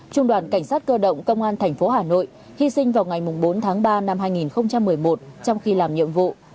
trung đoàn cảnh sát cơ động công an tp hà nội hy sinh vào ngày bốn tháng ba năm hai nghìn một mươi một trong khi làm nhiệm vụ